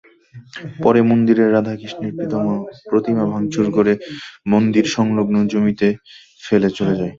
পরে মন্দিরের রাধাকৃষ্ণের প্রতিমা ভাঙচুর করে মন্দির-সংলগ্ন জমিতে ফেলে চলে যায়।